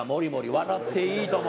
「笑っていいとも！」